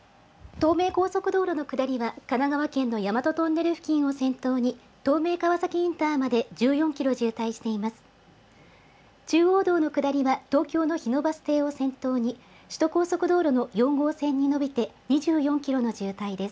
東名高速道路の下りは神奈川県の大和トンネル付近を先頭に東名川崎インターまで１４キロ渋滞しています。